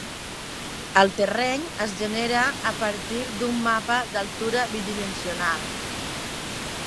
El terreny es genera a partir d'un mapa d'altura bidimensional.